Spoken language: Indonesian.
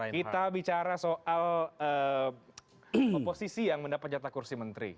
kita bicara soal oposisi yang mendapat jatah kursi menteri